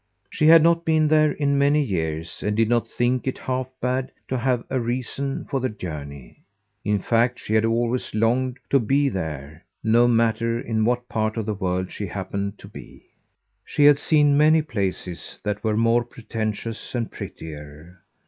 She had not been there in many years and did not think it half bad to have a reason for the journey. In fact she had always longed to be there, no matter in what part of the world she happened to be. She had seen many places that were more pretentious and prettier.